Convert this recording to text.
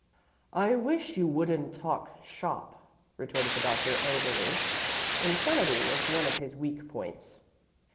"I wish you wouldn't talk shop," retorted the Doctor, angrily. Insanity was one of his weak points.